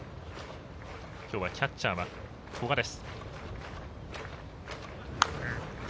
きょうはキャッチャーは古賀です。